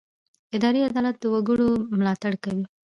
اداري عدالت د وګړو ملاتړ کوي.